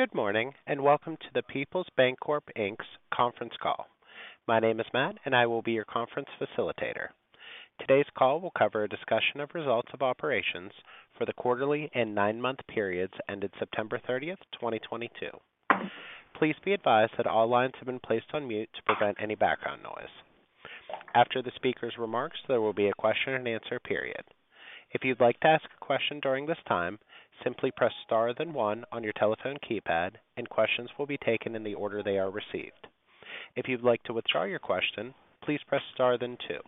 Good morning, and welcome to the Peoples Bancorp Inc.'s conference call. My name is Matt, and I will be your conference facilitator. Today's call will cover a discussion of results of operations for the quarterly and nine-month periods ended September 30, 2022. Please be advised that all lines have been placed on mute to prevent any background noise. After the speaker's remarks, there will be a question and answer period. If you'd like to ask a question during this time, simply press star then one on your telephone keypad, and questions will be taken in the order they are received. If you'd like to withdraw your question, please press star then two.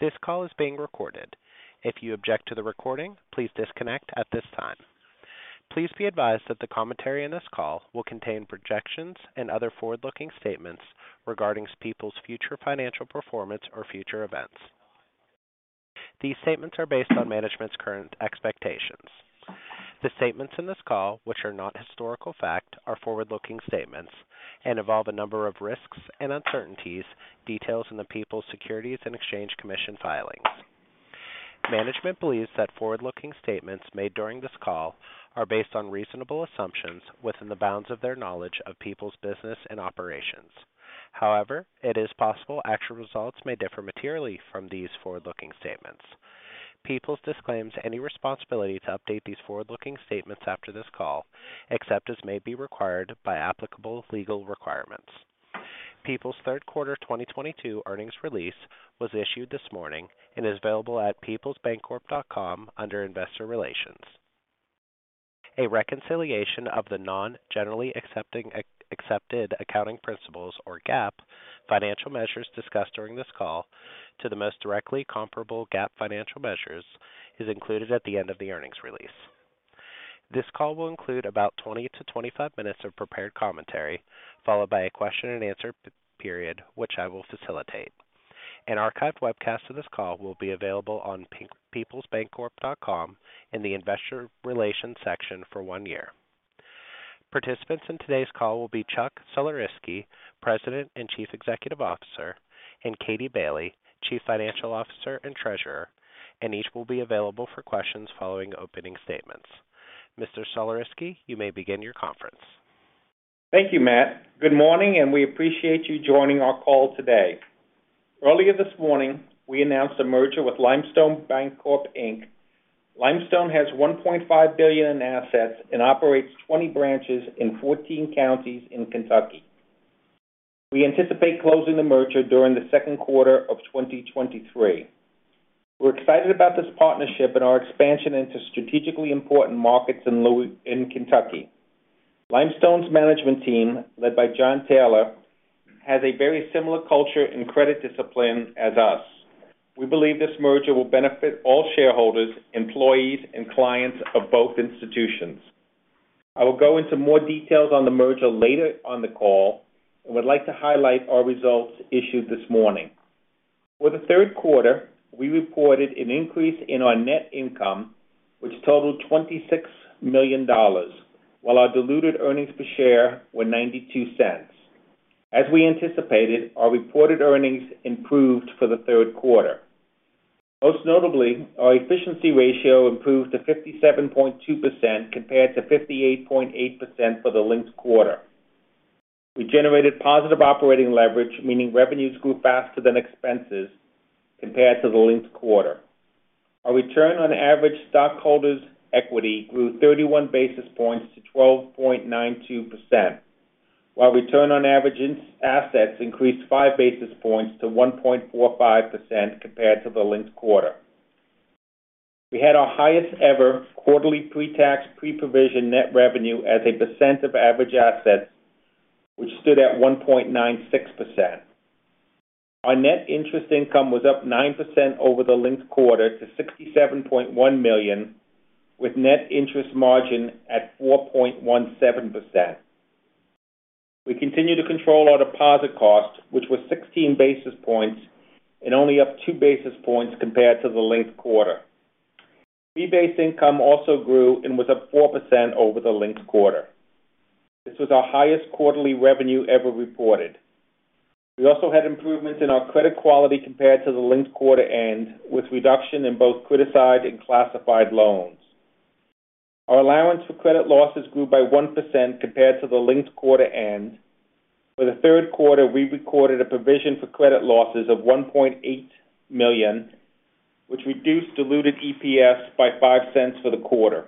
This call is being recorded. If you object to the recording, please disconnect at this time. Please be advised that the commentary on this call will contain projections and other forward-looking statements regarding Peoples' future financial performance or future events. These statements are based on management's current expectations. The statements in this call, which are not historical fact, are forward-looking statements and involve a number of risks and uncertainties detailed in the Peoples' Securities and Exchange Commission filings. Management believes that forward-looking statements made during this call are based on reasonable assumptions within the bounds of their knowledge of Peoples' business and operations. However, it is possible actual results may differ materially from these forward-looking statements. Peoples disclaims any responsibility to update these forward-looking statements after this call, except as may be required by applicable legal requirements. Peoples' third quarter 2022 earnings release was issued this morning and is available at peoplesbancorp.com under Investor Relations. A reconciliation of the non-generally accepted accounting principles or GAAP financial measures discussed during this call to the most directly comparable GAAP financial measures is included at the end of the earnings release. This call will include about 20-25 minutes of prepared commentary, followed by a question and answer period, which I will facilitate. An archived webcast of this call will be available on peoplesbancorp.com in the investor relations section for one year. Participants in today's call will be Chuck Sulerzyski, President and Chief Executive Officer, and Katie Bailey, Chief Financial Officer and Treasurer, and each will be available for questions following opening statements. Mr. Sulerzyski, you may begin your conference. Thank you, Matt. Good morning, and we appreciate you joining our call today. Earlier this morning, we announced a merger with Limestone Bancorp, Inc. Limestone has $1.5 billion in assets and operates 20 branches in 14 counties in Kentucky. We anticipate closing the merger during the second quarter of 2023. We're excited about this partnership and our expansion into strategically important markets in Kentucky. Limestone's management team, led by John Taylor, has a very similar culture and credit discipline as us. We believe this merger will benefit all shareholders, employees, and clients of both institutions. I will go into more details on the merger later on the call and would like to highlight our results issued this morning. For the third quarter, we reported an increase in our net income, which totaled $26 million, while our diluted earnings per share were $0.92. As we anticipated, our reported earnings improved for the third quarter. Most notably, our efficiency ratio improved to 57.2% compared to 58.8% for the linked quarter. We generated positive operating leverage, meaning revenues grew faster than expenses compared to the linked quarter. Our return on average stockholders' equity grew 31 basis points to 12.92%, while return on average assets increased 5 basis points to 1.45% compared to the linked quarter. We had our highest ever quarterly pre-tax, pre-provision net revenue as a percent of average assets, which stood at 1.96%. Our net interest income was up 9% over the linked quarter to $67.1 million, with net interest margin at 4.17%. We continue to control our deposit cost, which was 16 basis points and only up 2 basis points compared to the linked quarter. Fee-based income also grew and was up 4% over the linked quarter. This was our highest quarterly revenue ever reported. We also had improvements in our credit quality compared to the linked quarter end, with reduction in both criticized and classified loans. Our allowance for credit losses grew by 1% compared to the linked quarter end. For the third quarter, we recorded a provision for credit losses of $1.8 million, which reduced diluted EPS by $0.05 for the quarter.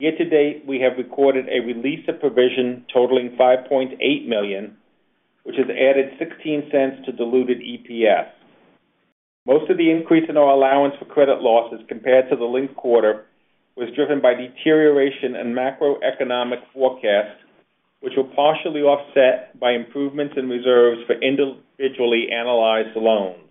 Year to date, we have recorded a release of provision totaling $5.8 million, which has added $0.16 to diluted EPS. Most of the increase in our allowance for credit losses compared to the linked quarter was driven by deterioration in macroeconomic forecasts, which were partially offset by improvements in reserves for individually analyzed loans.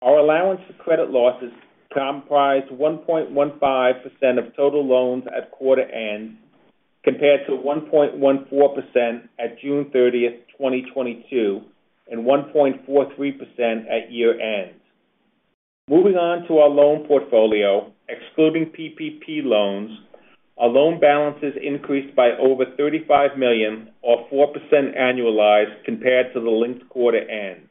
Our allowance for credit losses comprised 1.15% of total loans at quarter end, compared to 1.14% at June 30, 2022, and 1.43% at year-end. Moving on to our loan portfolio, excluding PPP loans, our loan balances increased by over $35 million or 4% annualized compared to the linked quarter end.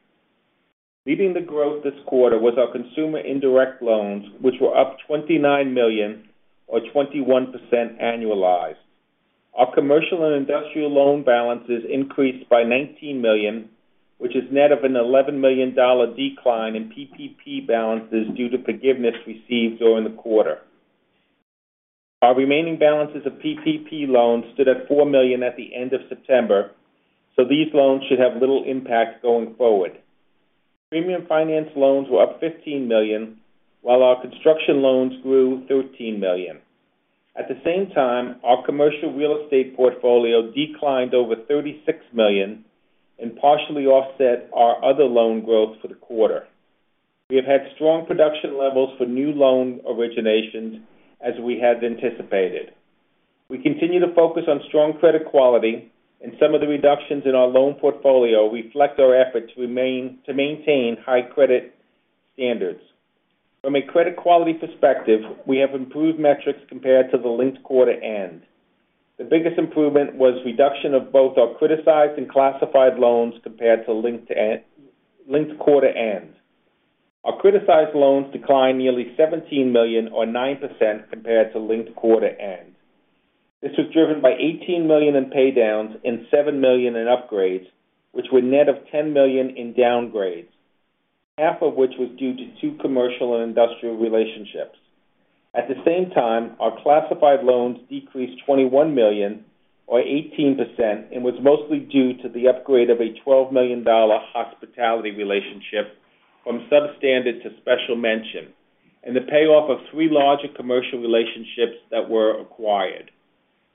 Leading the growth this quarter was our consumer indirect loans, which were up $29 million or 21% annualized. Our commercial and industrial loan balances increased by $19 million, which is net of an $11 million dollar decline in PPP balances due to forgiveness received during the quarter. Our remaining balances of PPP loans stood at $4 million at the end of September, so these loans should have little impact going forward. Premium finance loans were up $15 million, while our construction loans grew $13 million. At the same time, our commercial real estate portfolio declined over $36 million and partially offset our other loan growth for the quarter. We have had strong production levels for new loan originations as we had anticipated. We continue to focus on strong credit quality and some of the reductions in our loan portfolio reflect our effort to maintain high credit standards. From a credit quality perspective, we have improved metrics compared to the linked quarter end. The biggest improvement was reduction of both our criticized and classified loans compared to linked quarter end. Our criticized loans declined nearly $17 million or 9% compared to linked quarter end. This was driven by $18 million in pay downs and $7 million in upgrades, which were net of $10 million in downgrades, half of which was due to two commercial and industrial relationships. At the same time, our classified loans decreased $21 million or 18%, and was mostly due to the upgrade of a $12 million hospitality relationship from substandard to special mention and the payoff of 3 larger commercial relationships that were acquired.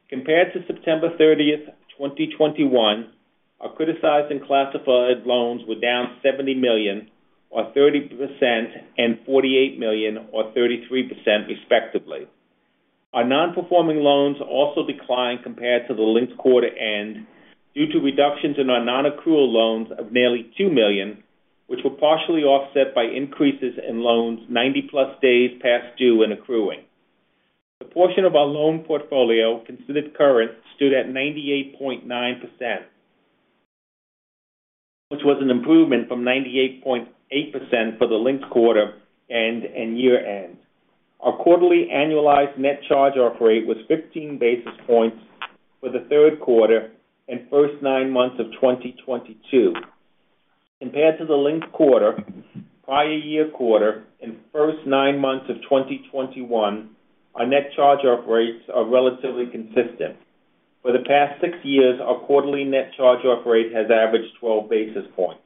Compared to September 30, 2021, our criticized and classified loans were down $70 million or 30% and $48 million or 33% respectively. Our non-performing loans also declined compared to the linked quarter end due to reductions in our non-accrual loans of nearly $2 million, which were partially offset by increases in loans ninety-plus days past due and accruing. The portion of our loan portfolio considered current stood at 98.9%, which was an improvement from 98.8% for the linked quarter end and year-end. Our quarterly annualized net charge-off rate was 15 basis points for the third quarter and first nine months of 2022. Compared to the linked quarter, prior year quarter and first nine months of 2021, our net charge-off rates are relatively consistent. For the past six years, our quarterly net charge-off rate has averaged 12 basis points.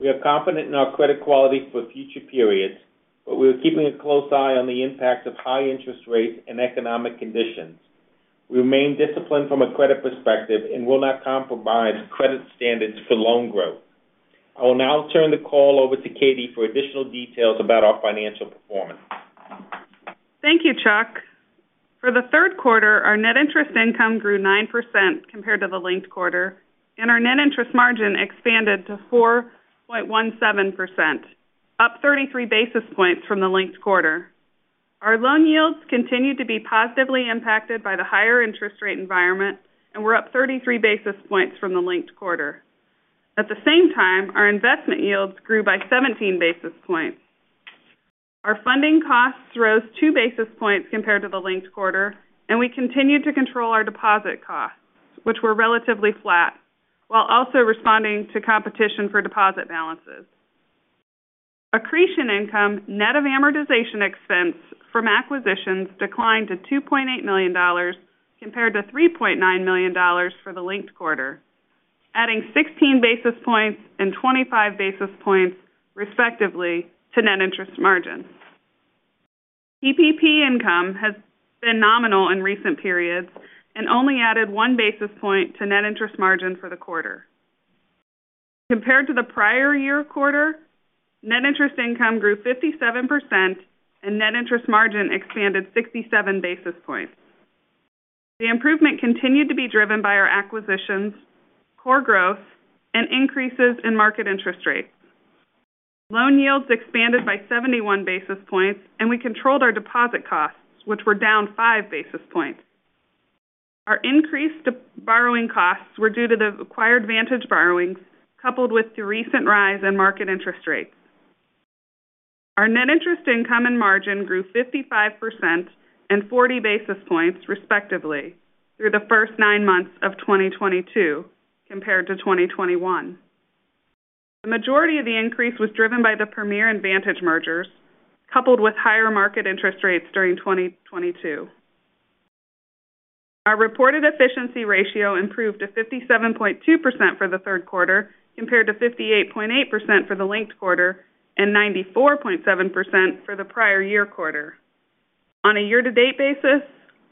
We are confident in our credit quality for future periods, but we are keeping a close eye on the impact of high interest rates and economic conditions. We remain disciplined from a credit perspective and will not compromise credit standards for loan growth. I will now turn the call over to Katie for additional details about our financial performance. Thank you, Chuck. For the third quarter, our net interest income grew 9% compared to the linked quarter, and our net interest margin expanded to 4.17%, up 33 basis points from the linked quarter. Our loan yields continued to be positively impacted by the higher interest rate environment and were up 33 basis points from the linked quarter. At the same time, our investment yields grew by 17 basis points. Our funding costs rose 2 basis points compared to the linked quarter, and we continued to control our deposit costs, which were relatively flat, while also responding to competition for deposit balances. Accretion income, net of amortization expense from acquisitions declined to $2.8 million compared to $3.9 million for the linked quarter, adding 16 basis points and 25 basis points, respectively, to net interest margin. PPP income has been nominal in recent periods and only added 1 basis point to net interest margin for the quarter. Compared to the prior year quarter, net interest income grew 57% and net interest margin expanded 67 basis points. The improvement continued to be driven by our acquisitions, core growth and increases in market interest rates. Loan yields expanded by 71 basis points, and we controlled our deposit costs, which were down 5 basis points. Our increased borrowing costs were due to the acquired Vantage borrowings, coupled with the recent rise in market interest rates. Our net interest income and margin grew 55% and 40 basis points, respectively, through the first nine months of 2022 compared to 2021. The majority of the increase was driven by the Premier and Vantage mergers, coupled with higher market interest rates during 2022. Our reported efficiency ratio improved to 57.2% for the third quarter, compared to 58.8% for the linked quarter and 94.7% for the prior year quarter. On a year to date basis,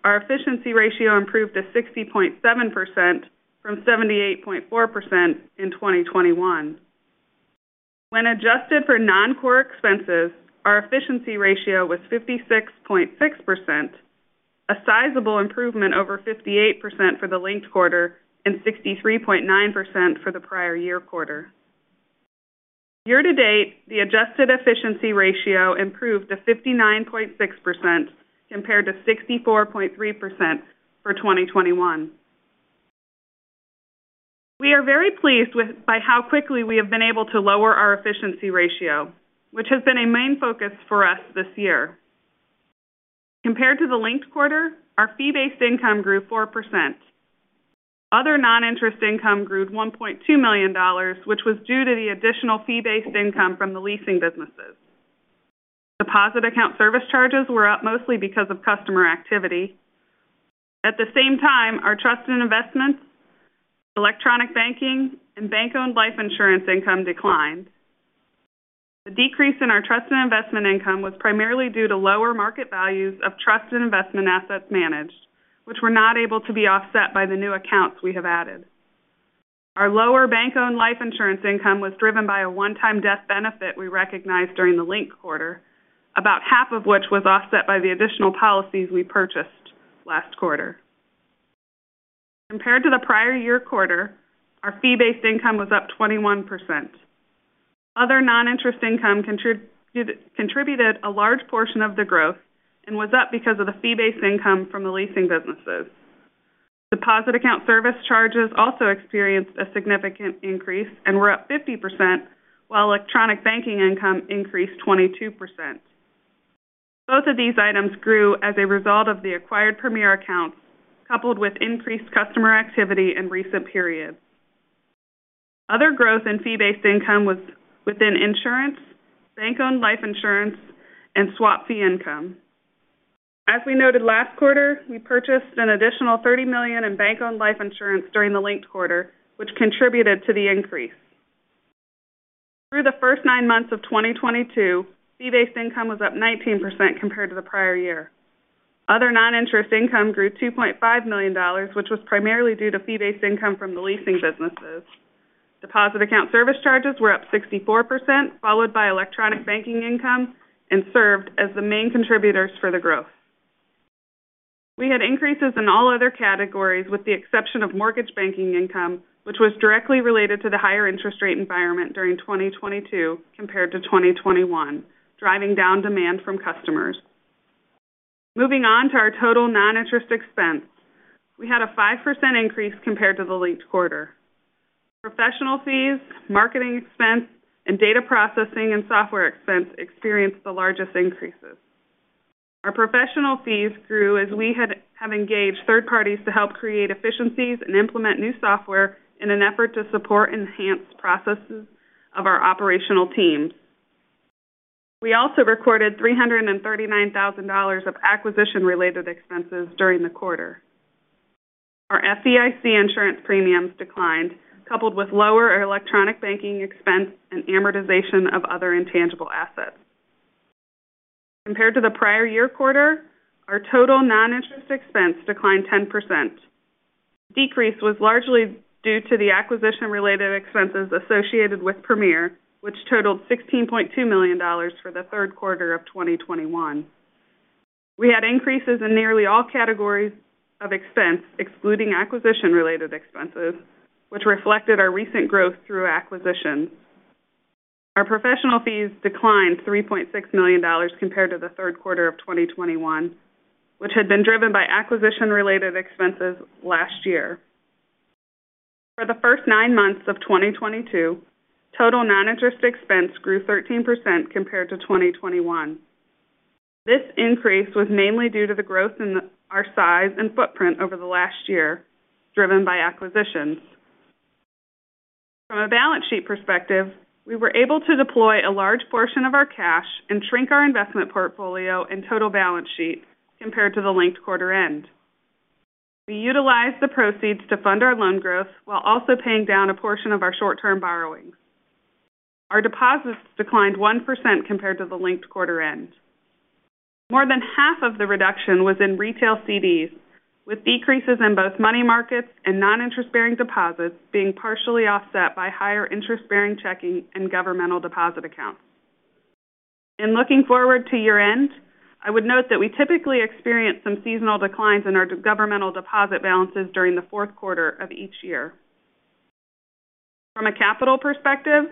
our efficiency ratio improved to 60.7% from 78.4% in 2021. When adjusted for non-core expenses, our efficiency ratio was 56.6%, a sizable improvement over 58% for the linked quarter and 63.9% for the prior year quarter. Year to date, the adjusted efficiency ratio improved to 59.6% compared to 64.3% for 2021. We are very pleased by how quickly we have been able to lower our efficiency ratio, which has been a main focus for us this year. Compared to the linked quarter, our fee-based income grew 4%. Other non-interest income grew to $1.2 million, which was due to the additional fee-based income from the leasing businesses. Deposit account service charges were up mostly because of customer activity. At the same time, our trust and investments, electronic banking, and bank-owned life insurance income declined. The decrease in our trust and investment income was primarily due to lower market values of trust and investment assets managed, which were not able to be offset by the new accounts we have added. Our lower bank-owned life insurance income was driven by a one-time death benefit we recognized during the linked quarter, about half of which was offset by the additional policies we purchased last quarter. Compared to the prior year quarter, our fee-based income was up 21%. Other non-interest income contributed a large portion of the growth and was up because of the fee-based income from the leasing businesses. Deposit account service charges also experienced a significant increase and were up 50%, while electronic banking income increased 22%. Both of these items grew as a result of the acquired Premier accounts, coupled with increased customer activity in recent periods. Other growth in fee-based income was within insurance, bank-owned life insurance, and swap fee income. As we noted last quarter, we purchased an additional $30 million in bank-owned life insurance during the linked quarter, which contributed to the increase. Through the first nine months of 2022, fee-based income was up 19% compared to the prior year. Other non-interest income grew $2.5 million, which was primarily due to fee-based income from the leasing businesses. Deposit account service charges were up 64%, followed by electronic banking income and served as the main contributors for the growth. We had increases in all other categories with the exception of mortgage banking income, which was directly related to the higher interest rate environment during 2022 compared to 2021, driving down demand from customers. Moving on to our total non-interest expense. We had a 5% increase compared to the linked quarter. Professional fees, marketing expense, and data processing and software expense experienced the largest increases. Our professional fees grew as we have engaged third parties to help create efficiencies and implement new software in an effort to support enhanced processes of our operational teams. We also recorded $339,000 of acquisition-related expenses during the quarter. Our FDIC insurance premiums declined, coupled with lower electronic banking expense and amortization of other intangible assets. Compared to the prior year quarter, our total non-interest expense declined 10%. Decrease was largely due to the acquisition-related expenses associated with Premier, which totaled $16.2 million for the third quarter of 2021. We had increases in nearly all categories of expense, excluding acquisition-related expenses, which reflected our recent growth through acquisitions. Our professional fees declined $3.6 million compared to the third quarter of 2021, which had been driven by acquisition-related expenses last year. For the first nine months of 2022, total non-interest expense grew 13% compared to 2021. This increase was mainly due to the growth in our size and footprint over the last year, driven by acquisitions. From a balance sheet perspective, we were able to deploy a large portion of our cash and shrink our investment portfolio and total balance sheet compared to the linked quarter end. We utilized the proceeds to fund our loan growth while also paying down a portion of our short-term borrowings. Our deposits declined 1% compared to the linked quarter end. More than half of the reduction was in retail CDs, with decreases in both money markets and non-interest-bearing deposits being partially offset by higher interest-bearing checking and governmental deposit accounts. In looking forward to year-end, I would note that we typically experience some seasonal declines in our governmental deposit balances during the fourth quarter of each year. From a capital perspective,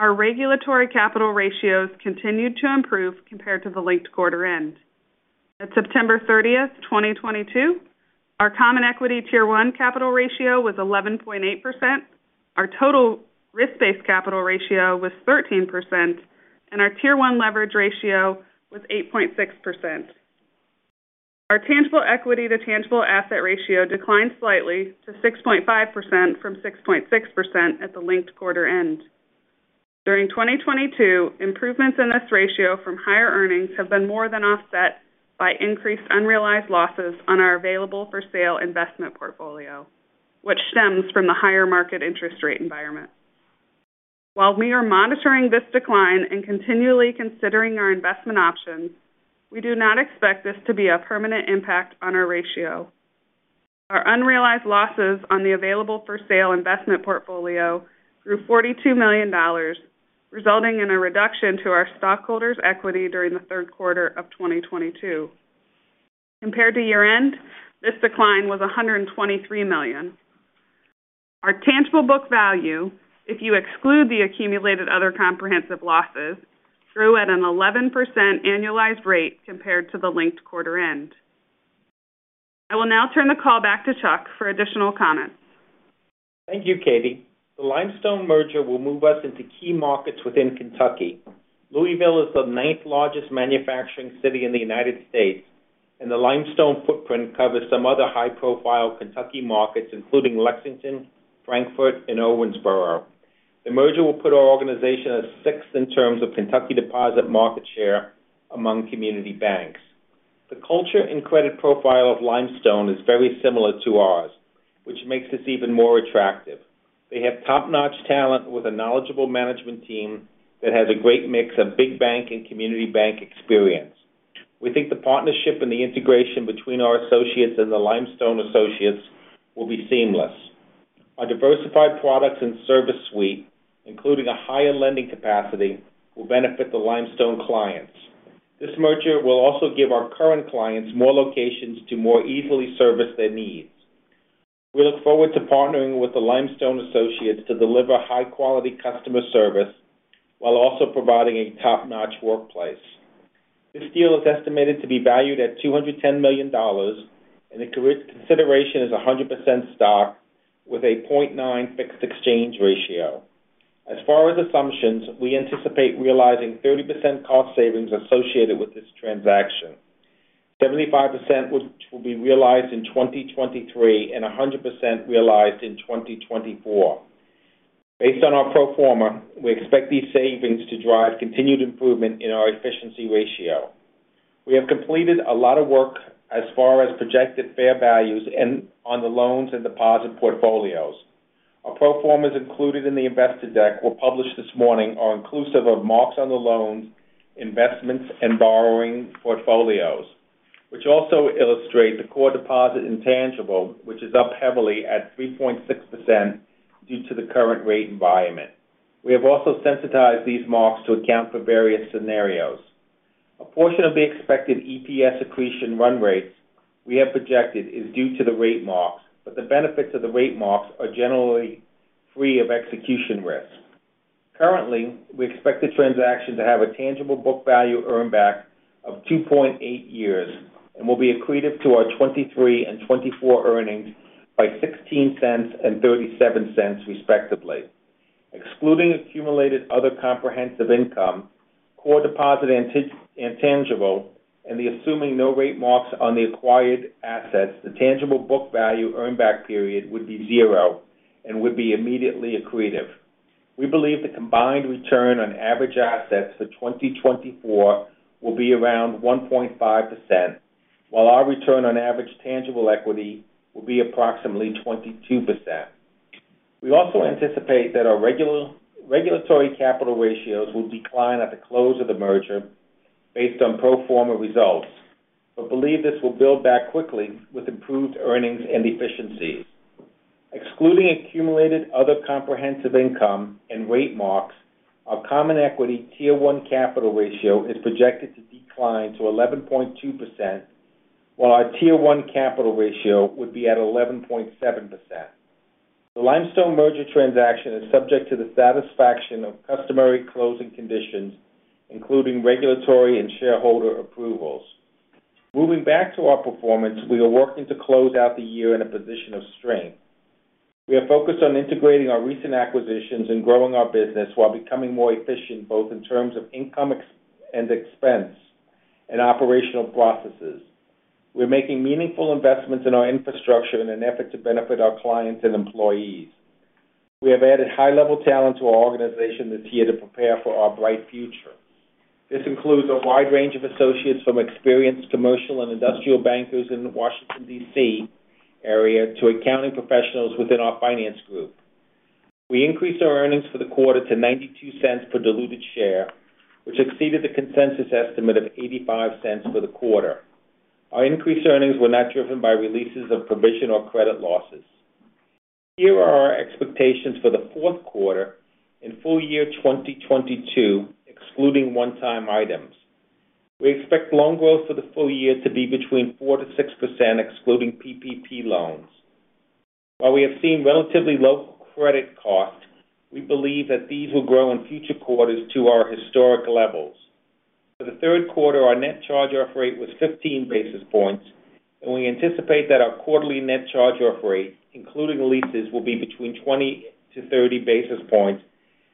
our regulatory capital ratios continued to improve compared to the linked quarter end. At September 30, 2022, our Common Equity Tier 1 capital ratio was 11.8%, our total risk-based capital ratio was 13%, and our Tier 1 leverage ratio was 8.6%. Our tangible equity to tangible asset ratio declined slightly to 6.5% from 6.6% at the linked quarter end. During 2022, improvements in this ratio from higher earnings have been more than offset by increased unrealized losses on our available for sale investment portfolio, which stems from the higher market interest rate environment. While we are monitoring this decline and continually considering our investment options, we do not expect this to be a permanent impact on our ratio. Our unrealized losses on the available for sale investment portfolio grew $42 million, resulting in a reduction to our stockholders' equity during the third quarter of 2022. Compared to year-end, this decline was $123 million. Our tangible book value, if you exclude the accumulated other comprehensive losses, grew at an 11% annualized rate compared to the linked quarter-end. I will now turn the call back to Chuck for additional comments. Thank you, Katie. The Limestone merger will move us into key markets within Kentucky. Louisville is the ninth largest manufacturing city in the United States, and the Limestone footprint covers some other high-profile Kentucky markets, including Lexington, Frankfort, and Owensboro. The merger will put our organization at sixth in terms of Kentucky deposit market share among community banks. The culture and credit profile of Limestone is very similar to ours, which makes this even more attractive. They have top-notch talent with a knowledgeable management team that has a great mix of big bank and community bank experience. We think the partnership and the integration between our associates and the Limestone associates will be seamless. Our diversified products and service suite, including a higher lending capacity, will benefit the Limestone clients. This merger will also give our current clients more locations to more easily service their needs. We look forward to partnering with the Limestone associates to deliver high-quality customer service while also providing a top-notch workplace. This deal is estimated to be valued at $210 million, and the consideration is 100% stock with a 0.9 fixed exchange ratio. As far as assumptions, we anticipate realizing 30% cost savings associated with this transaction. 75% which will be realized in 2023, and 100% realized in 2024. Based on our pro forma, we expect these savings to drive continued improvement in our efficiency ratio. We have completed a lot of work as far as projected fair values and on the loans and deposit portfolios. Our pro formas included in the investor deck were published this morning are inclusive of marks on the loans, investments, and borrowing portfolios. Which also illustrate the Core Deposit Intangible, which is up heavily at 3.6% due to the current rate environment. We have also sensitized these marks to account for various scenarios. A portion of the expected EPS accretion run rates we have projected is due to the rate marks, but the benefits of the rate marks are generally free of execution risk. Currently, we expect the transaction to have a tangible book value earn back of 2.8 years and will be accretive to our 2023 and 2024 earnings by $0.16 and $0.37, respectively. Excluding Accumulated Other Comprehensive Income, Core Deposit Intangible, and assuming no rate marks on the acquired assets, the tangible book value earn back period would be 0 and would be immediately accretive. We believe the combined return on average assets for 2024 will be around 1.5%, while our return on average tangible equity will be approximately 22%. We also anticipate that our regulatory capital ratios will decline at the close of the merger based on pro forma results, but believe this will build back quickly with improved earnings and efficiencies. Excluding Accumulated Other Comprehensive Income and rate marks, our Common Equity Tier 1 capital ratio is projected to decline to 11.2%, while our Tier 1 capital ratio would be at 11.7%. The Limestone merger transaction is subject to the satisfaction of customary closing conditions, including regulatory and shareholder approvals. Moving back to our performance, we are working to close out the year in a position of strength. We are focused on integrating our recent acquisitions and growing our business while becoming more efficient, both in terms of income and expense and operational processes. We're making meaningful investments in our infrastructure in an effort to benefit our clients and employees. We have added high-level talent to our organization this year to prepare for our bright future. This includes a wide range of associates from experienced commercial and industrial bankers in the Washington, D.C., area to accounting professionals within our finance group. We increased our earnings for the quarter to $0.92 per diluted share, which exceeded the consensus estimate of $0.85 for the quarter. Our increased earnings were not driven by releases of provision or credit losses. Here are our expectations for the fourth quarter and full year 2022, excluding one-time items. We expect loan growth for the full year to be between 4%-6%, excluding PPP loans. While we have seen relatively low credit costs, we believe that these will grow in future quarters to our historic levels. For the third quarter, our net charge-off rate was 15 basis points, and we anticipate that our quarterly net charge-off rate, including leases, will be between 20-30 basis points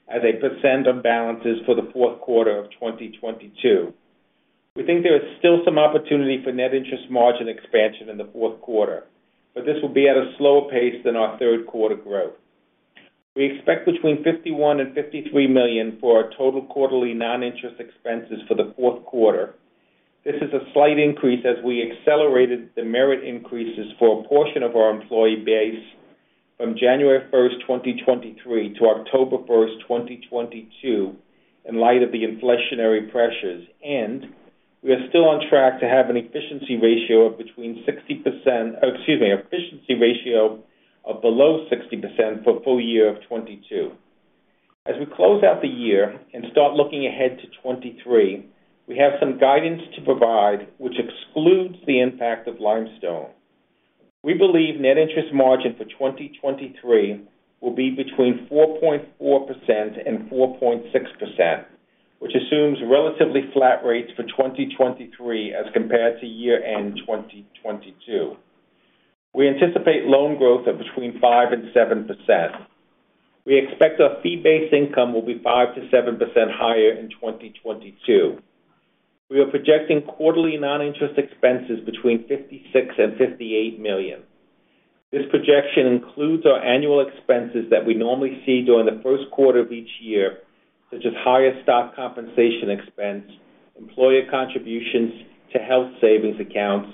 as a percent of balances for the fourth quarter of 2022. We think there is still some opportunity for net interest margin expansion in the fourth quarter, but this will be at a slower pace than our third quarter growth. We expect between $51-$53 million for our total quarterly non-interest expenses for the fourth quarter. This is a slight increase as we accelerated the merit increases for a portion of our employee base from January 1, 2023 to October 1, 2022, in light of the inflationary pressures. We are still on track to have an efficiency ratio of below 60% for full year of 2022. As we close out the year and start looking ahead to 2023, we have some guidance to provide which excludes the impact of Limestone. We believe net interest margin for 2023 will be between 4.4% and 4.6%, which assumes relatively flat rates for 2023 as compared to year-end 2022. We anticipate loan growth of between 5% and 7%. We expect our fee-based income will be 5%-7% higher in 2022. We are projecting quarterly non-interest expenses between $56 million and $58 million. This projection includes our annual expenses that we normally see during the first quarter of each year, such as higher stock compensation expense, employer contributions to health savings accounts,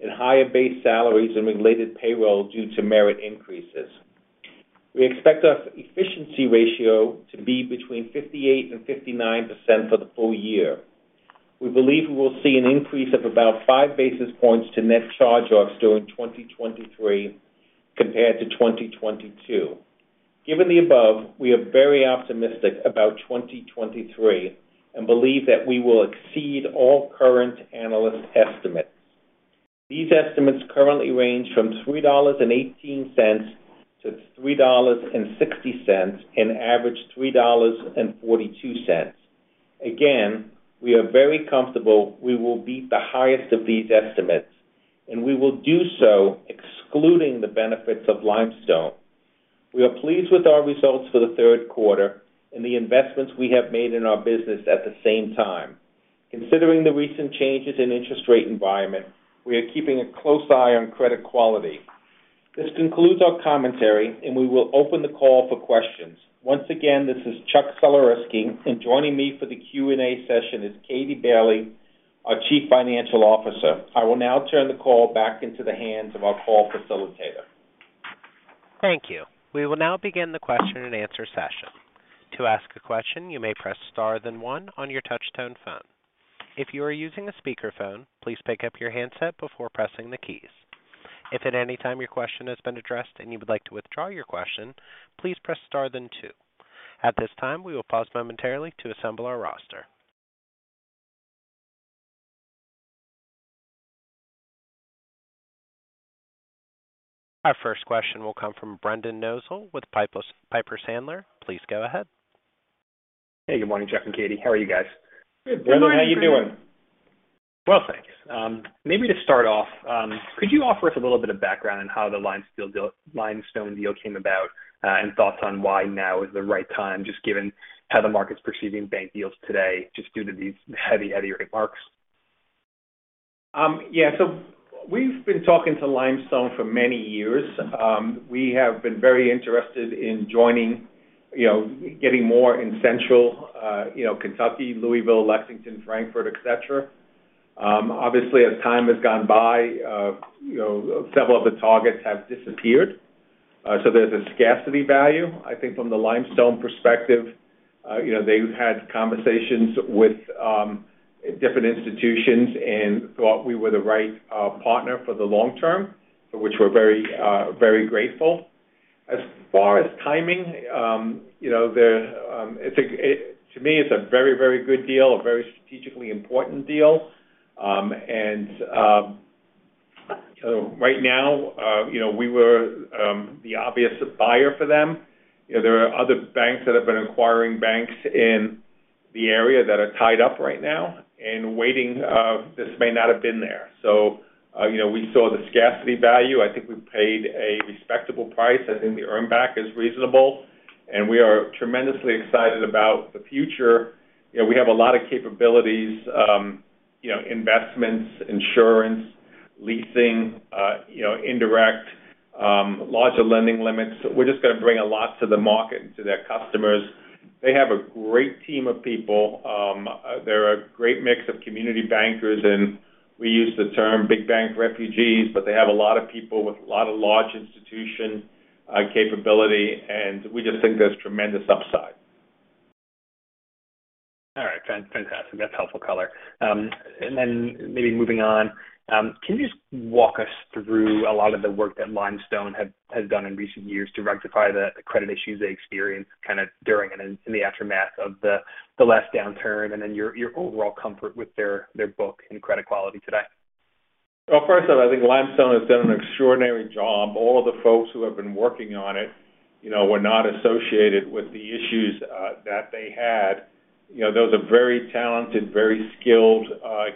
and higher base salaries and related payroll due to merit increases. We expect our efficiency ratio to be between 58% and 59% for the full year. We believe we will see an increase of about five basis points to net charge-offs during 2023 compared to 2022. Given the above, we are very optimistic about 2023 and believe that we will exceed all current analyst estimates. These estimates currently range from $3.18-$3.60 and average $3.42. Again, we are very comfortable we will beat the highest of these estimates, and we will do so excluding the benefits of Limestone. We are pleased with our results for the third quarter and the investments we have made in our business at the same time. Considering the recent changes in interest rate environment, we are keeping a close eye on credit quality. This concludes our commentary, and we will open the call for questions. Once again, this is Chuck Sulerzyski, and joining me for the Q&A session is Katie Bailey, our Chief Financial Officer. I will now turn the call back into the hands of our call facilitator. Thank you. We will now begin the question and answer session. To ask a question, you may press star then one on your touch tone phone. If you are using a speakerphone, please pick up your handset before pressing the keys. If at any time your question has been addressed and you would like to withdraw your question, please press star then two. At this time, we will pause momentarily to assemble our roster. Our first question will come from Brendan Nosal with Piper Sandler. Please go ahead. Hey, good morning, Chuck and Katie. How are you guys? Good. Brendan, how you doing? Well, thanks. Maybe to start off, could you offer us a little bit of background on how the Limestone deal came about, and thoughts on why now is the right time, just given how the market's perceiving bank deals today just due to these heavy rate hikes? Yeah. We've been talking to Limestone for many years. We have been very interested in joining, you know, getting more in central, you know, Kentucky, Louisville, Lexington, Frankfort, et cetera. Obviously, as time has gone by, you know, several of the targets have disappeared. There's a scarcity value. I think from the Limestone perspective, you know, they've had conversations with different institutions and thought we were the right partner for the long term, for which we're very, very grateful. As far as timing, you know, to me, it's a very, very good deal, a very strategically important deal. Right now, you know, we were the obvious buyer for them. You know, there are other banks that have been acquiring banks in the area that are tied up right now. Waiting, this may not have been there. You know, we saw the scarcity value. I think we paid a respectable price. I think the earn back is reasonable, and we are tremendously excited about the future. You know, we have a lot of capabilities, you know, investments, insurance, leasing, you know, indirect, larger lending limits. We're just gonna bring a lot to the market and to their customers. They have a great team of people. They're a great mix of community bankers, and we use the term big bank refugees, but they have a lot of people with a lot of large institution, capability, and we just think there's tremendous upside. All right, fantastic. That's helpful color. Maybe moving on, can you just walk us through a lot of the work that Limestone has done in recent years to rectify the credit issues they experienced kind of during and in the aftermath of the last downturn and then your overall comfort with their book and credit quality today? Well, first of all, I think Limestone has done an extraordinary job. All of the folks who have been working on it, you know, were not associated with the issues that they had. You know, those are very talented, very skilled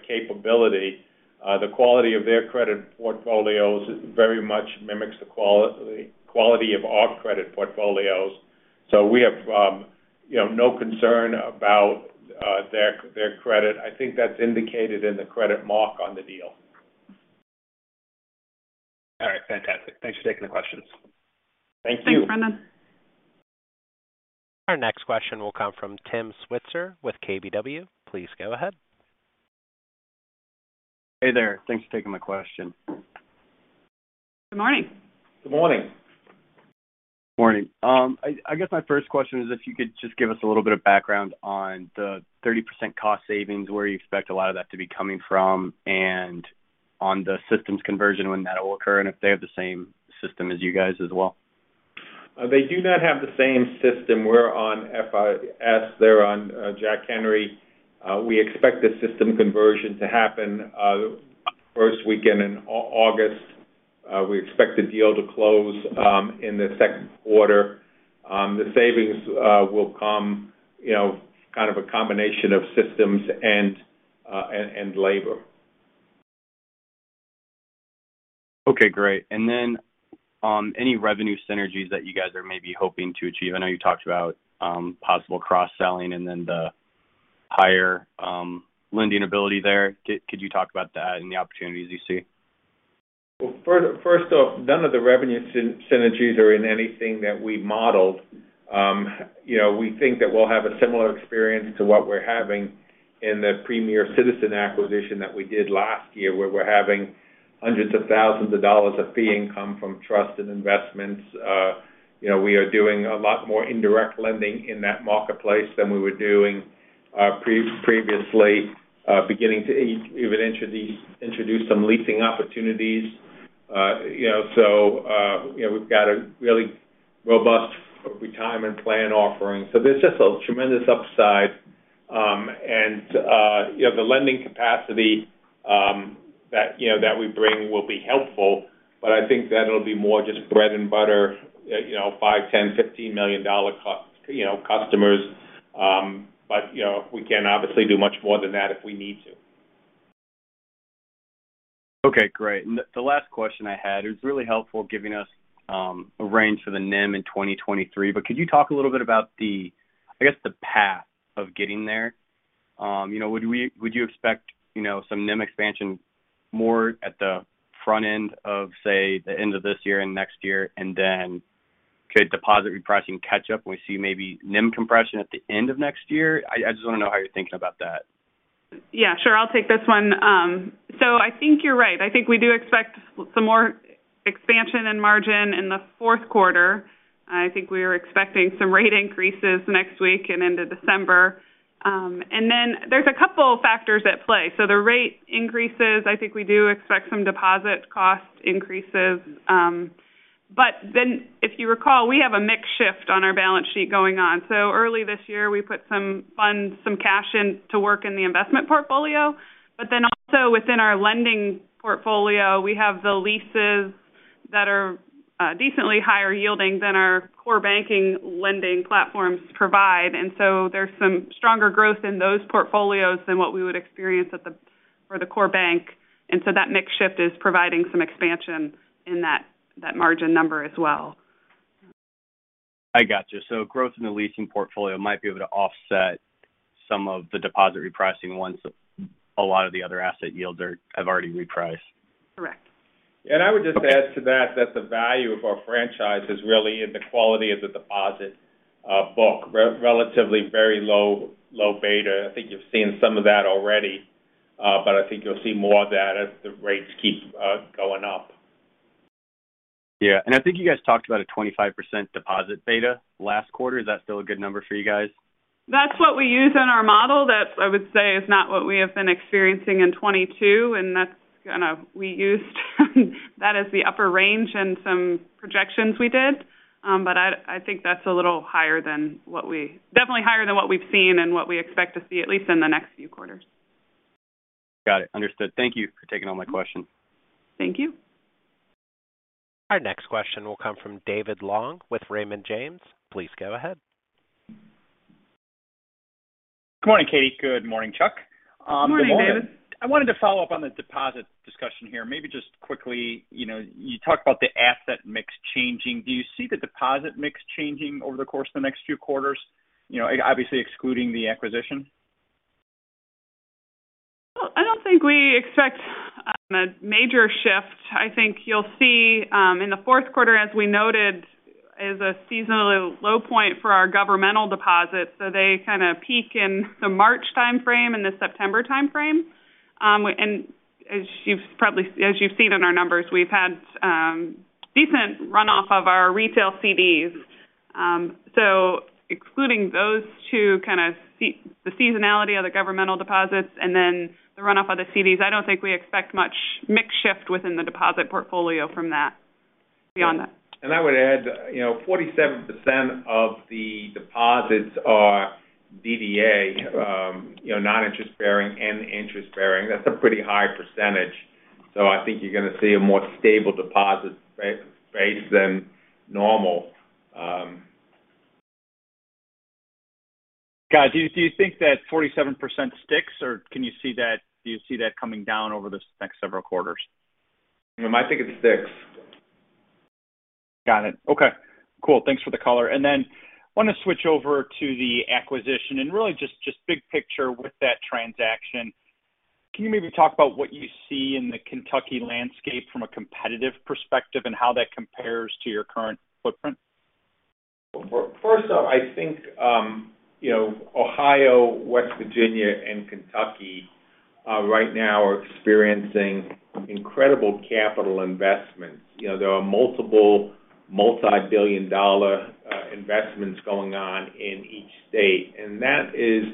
capability. The quality of their credit portfolios very much mimics the quality of our credit portfolios. We have, you know, no concern about their credit. I think that's indicated in the credit mark on the deal. All right. Fantastic. Thanks for taking the questions. Thank you. Thanks, Brendan. Our next question will come from Tim Switzer with KBW. Please go ahead. Hey there. Thanks for taking my question. Good morning. Good morning. Morning. I guess my first question is if you could just give us a little bit of background on the 30% cost savings, where you expect a lot of that to be coming from, and on the systems conversion, when that will occur, and if they have the same system as you guys as well? They do not have the same system. We're on FIS, they're on Jack Henry. We expect the system conversion to happen first weekend in August. We expect the deal to close in the second quarter. The savings will come, you know, kind of a combination of systems and labor. Okay, great. Any revenue synergies that you guys are maybe hoping to achieve? I know you talked about possible cross-selling and then the higher lending ability there. Could you talk about that and the opportunities you see? Well, first off, none of the revenue synergies are in anything that we modeled. You know, we think that we'll have a similar experience to what we're having in the Premier Financial acquisition that we did last year, where we're having hundreds of thousands of dollars of fee income from trust and investments. You know, we are doing a lot more indirect lending in that marketplace than we were doing previously. Beginning to evidently introduce some leasing opportunities. You know, we've got a really robust retirement plan offering. There's just a tremendous upside. You know, the lending capacity that we bring will be helpful, but I think that'll be more just bread and butter, you know, $5, $10, $15 million customers. You know, we can obviously do much more than that if we need to. Okay, great. The last question I had, it was really helpful giving us a range for the NIM in 2023. Could you talk a little bit about the, I guess, the path of getting there? You know, would you expect, you know, some NIM expansion more at the front end of, say, the end of this year and next year, and then could deposit repricing catch up? We see maybe NIM compression at the end of next year. I just want to know how you're thinking about that. Yeah, sure. I'll take this one. I think you're right. I think we do expect some more expansion and margin in the fourth quarter. I think we are expecting some rate increases next week and into December. There's a couple factors at play. The rate increases, I think we do expect some deposit cost increases. If you recall, we have a mix shift on our balance sheet going on. Early this year, we put some funds, some cash in to work in the investment portfolio. Also within our lending portfolio, we have the leases that are decently higher yielding than our core banking lending platforms provide. There's some stronger growth in those portfolios than what we would experience for the core bank. That mix shift is providing some expansion in that margin number as well. I got you. Growth in the leasing portfolio might be able to offset some of the deposit repricing once a lot of the other asset yields have already repriced. Correct. I would just add to that the value of our franchise is really in the quality of the deposit book. Relatively very low beta. I think you've seen some of that already, but I think you'll see more of that as the rates keep going up. Yeah. I think you guys talked about a 25% deposit beta last quarter. Is that still a good number for you guys? That's what we use in our model. That, I would say, is not what we have been experiencing in 2022, and that's kinda, we used that as the upper range in some projections we did. I think that's a little higher, definitely higher than what we've seen and what we expect to see at least in the next few quarters. Got it. Understood. Thank you for taking all my questions. Thank you. Our next question will come from David Long with Raymond James. Please go ahead. Good morning, Katie. Good morning, Chuck. Good morning, David. I wanted to follow up on the deposit discussion here. Maybe just quickly, you know, you talked about the asset mix changing. Do you see the deposit mix changing over the course of the next few quarters? You know, obviously excluding the acquisition. Well, I don't think we expect a major shift. I think you'll see in the fourth quarter, as we noted, is a seasonally low point for our governmental deposits. They kinda peak in the March timeframe and the September timeframe. As you've seen in our numbers, we've had decent runoff of our retail CDs. Excluding those two, the seasonality of the governmental deposits and then the runoff of the CDs, I don't think we expect much mix shift within the deposit portfolio from that. Beyond that. I would add, you know, 47% of the deposits are DDA, you know, non-interest bearing and interest bearing. That's a pretty high percentage. I think you're gonna see a more stable deposit base than normal. Got it. Do you think that 47% sticks, or can you see that coming down over the next several quarters? I think it sticks. Got it. Okay. Cool. Thanks for the color. I want to switch over to the acquisition and really just big picture with that transaction. Can you maybe talk about what you see in the Kentucky landscape from a competitive perspective and how that compares to your current footprint? First off, I think, you know, Ohio, West Virginia, and Kentucky right now are experiencing incredible capital investments. You know, there are multiple multi-billion-dollar investments going on in each state, and that is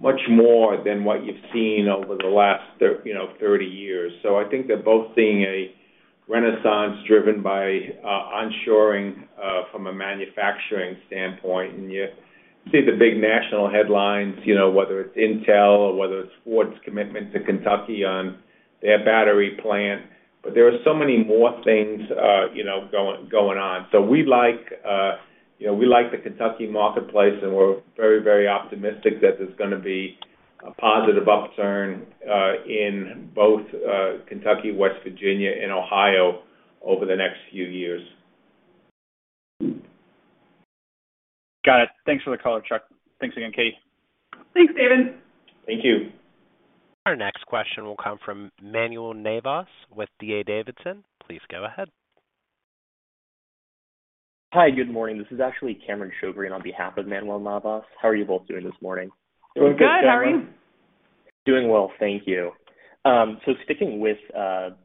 much more than what you've seen over the last 30 years. I think they're both seeing a renaissance driven by onshoring from a manufacturing standpoint. You see the big national headlines, you know, whether it's Intel or whether it's Ford's commitment to Kentucky on their battery plant, but there are so many more things, you know, going on. We like, you know, we like the Kentucky marketplace, and we're very, very optimistic that there's gonna be a positive upturn in both Kentucky, West Virginia, and Ohio over the next few years. Got it. Thanks for the color, Chuck. Thanks again, Katie. Thanks, David. Thank you. Our next question will come from Manuel Navas with D.A. Davidson. Please go ahead. Hi, good morning. This is actually Cameron Shobry on behalf of Manuel Navas. How are you both doing this morning? Doing good, Cameron. Good. How are you? Doing well, thank you. Sticking with the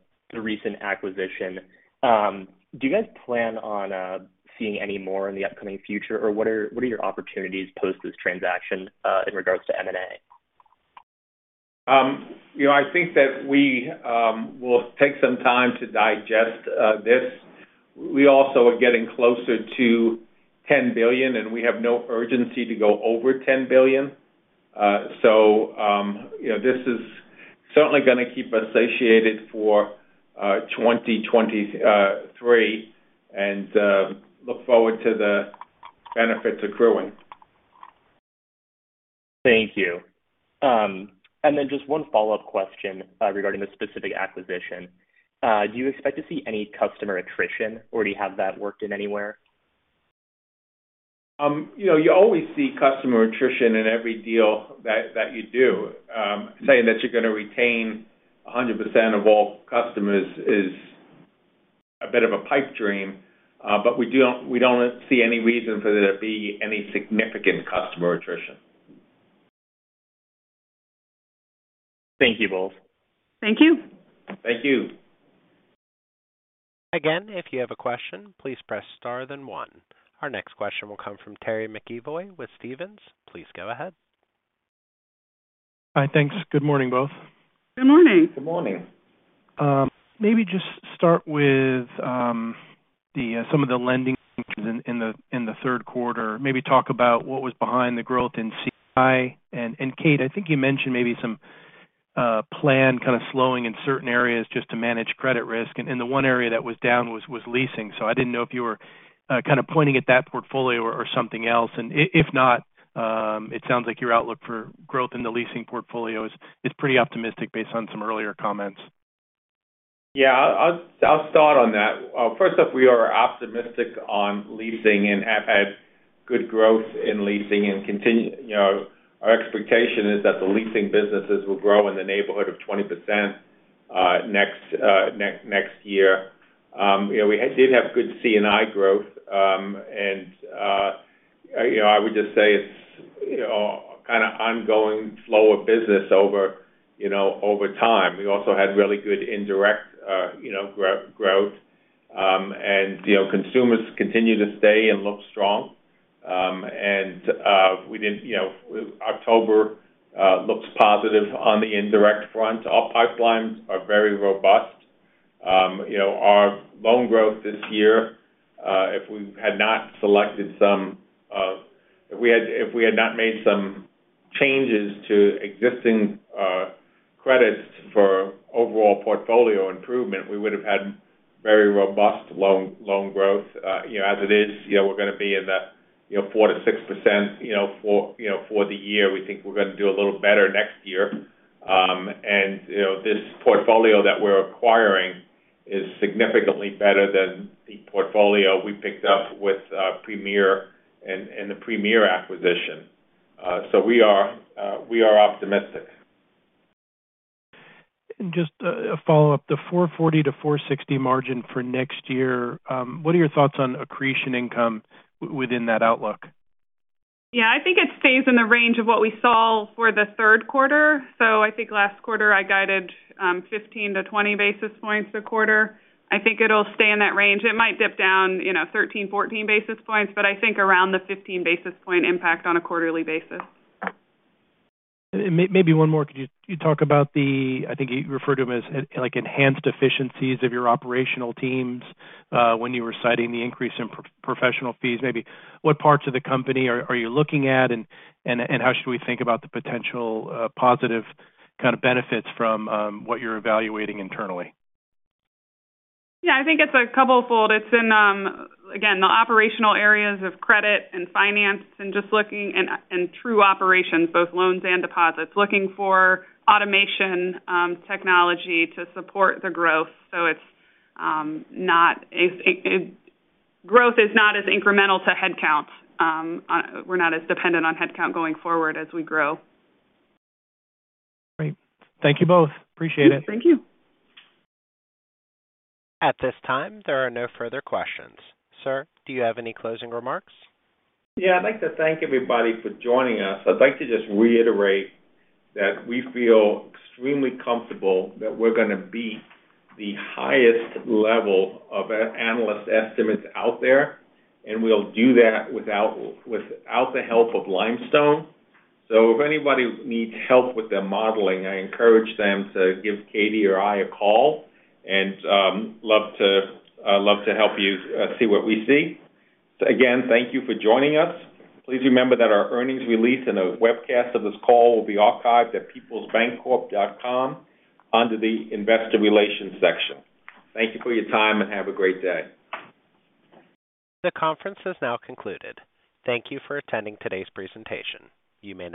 recent acquisition, do you guys plan on seeing any more in the upcoming future, or what are your opportunities post this transaction, in regards to M&A? You know, I think that we will take some time to digest this. We also are getting closer to $10 billion, and we have no urgency to go over $10 billion. You know, this is certainly gonna keep us satiated for 2023, and look forward to the benefits accruing. Thank you. Just one follow-up question regarding the specific acquisition. Do you expect to see any customer attrition, or do you have that worked in anywhere? You know, you always see customer attrition in every deal that you do. Saying that you're gonna retain 100% of all customers is a bit of a pipe dream, but we don't see any reason for there to be any significant customer attrition. Thank you both. Thank you. Thank you. Again, if you have a question, please press star then one. Our next question will come from Terry McEvoy with Stephens. Please go ahead. Hi. Thanks. Good morning, both. Good morning. Good morning. Maybe just start with some of the lending changes in the third quarter. Maybe talk about what was behind the growth in C&I. Katie, I think you mentioned maybe some plan kind of slowing in certain areas just to manage credit risk. The one area that was down was leasing. I didn't know if you were kind of pointing at that portfolio or something else. If not, it sounds like your outlook for growth in the leasing portfolio is pretty optimistic based on some earlier comments. Yeah, I'll start on that. First up, we are optimistic on leasing and have had good growth in leasing and continue. You know, our expectation is that the leasing businesses will grow in the neighborhood of 20%, next year. You know, we did have good C&I growth. You know, I would just say it's kinda ongoing flow of business over time. We also had really good indirect growth. You know, consumers continue to stay and look strong. You know, October looks positive on the indirect front. Our pipelines are very robust. You know, our loan growth this year, if we had not made some changes to existing credits for overall portfolio improvement, we would have had very robust loan growth. You know, as it is, you know, we're gonna be in the 4%-6%, you know, for the year. We think we're gonna do a little better next year. You know, this portfolio that we're acquiring is significantly better than the portfolio we picked up with Premier in the Premier acquisition. We are optimistic. Just a follow-up. The 4.40%-4.60% margin for next year, what are your thoughts on accretion income within that outlook? Yeah. I think it stays in the range of what we saw for the third quarter. I think last quarter I guided 15-20 basis points a quarter. I think it'll stay in that range. It might dip down, you know, 13, 14 basis points, but I think around the 15 basis point impact on a quarterly basis. Maybe one more. Could you talk about the, I think you referred to them as, like, enhanced efficiencies of your operational teams, when you were citing the increase in professional fees. Maybe what parts of the company are you looking at, and how should we think about the potential positive kind of benefits from what you're evaluating internally? Yeah. I think it's a couple fold. It's in, again, the operational areas of credit and finance and just looking and through operations, both loans and deposits. Looking for automation, technology to support the growth. Growth is not as incremental to headcount. We're not as dependent on headcount going forward as we grow. Great. Thank you both. Appreciate it. Yeah. Thank you. At this time, there are no further questions. Sir, do you have any closing remarks? Yeah. I'd like to thank everybody for joining us. I'd like to just reiterate that we feel extremely comfortable that we're gonna beat the highest level of analyst estimates out there, and we'll do that without the help of Limestone. If anybody needs help with their modeling, I encourage them to give Katie or I a call, and love to help you see what we see. Again, thank you for joining us. Please remember that our earnings release and a webcast of this call will be archived at peoplesbancorp.com under the Investor Relations section. Thank you for your time, and have a great day. The conference has now concluded. Thank you for attending today's presentation. You may disconnect.